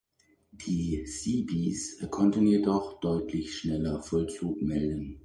Die Seabees konnten jedoch deutlich schneller Vollzug melden.